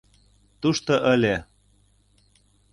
Тушто ыле: